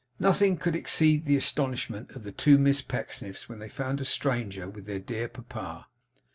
Nothing could exceed the astonishment of the two Miss Pecksniffs when they found a stranger with their dear papa.